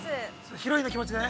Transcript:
◆ヒロインの気持ちでね。